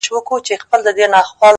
o ورباندي وځړوې؛